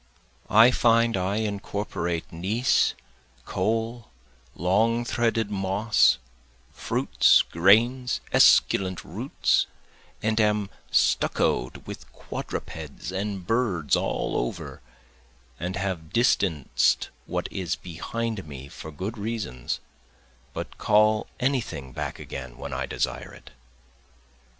I find I incorporate gneiss, coal, long threaded moss, fruits, grains, esculent roots, And am stucco'd with quadrupeds and birds all over, And have distanced what is behind me for good reasons, But call any thing back again when I desire it.